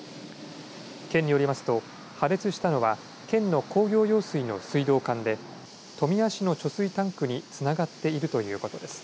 県によりますと破裂したのは県の工業用水の水道管で富谷市の貯水タンクにつながっているということです。